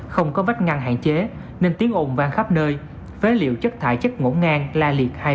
không có vách ngăn hạn chế nên tiếng ồn vang khắp nơi phế liệu chất thải chất ngỗ ngang la liệt hay